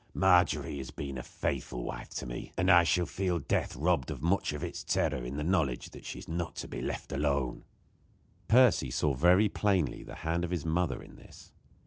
Margery has been a faithful wife to me, and I shall feel death robbed of much of its terror in the knowledge that she is not to be left alone." Percy saw very plainly the hand of his mother in this.